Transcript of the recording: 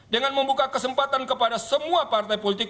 dengan membuka kesempatan kepada semua partai politik